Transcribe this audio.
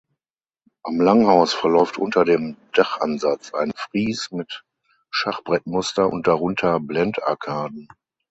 Am Langhaus verläuft unter dem Dachansatz ein Fries mit Schachbrettmuster und darunter Blendarkaden.